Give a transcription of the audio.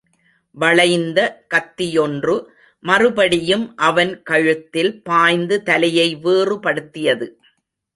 வளைந்த கத்தியொன்று மறுபடியும் அவன் கழுத்தில் பாய்ந்து தலையை வேறுபடுத்தியது.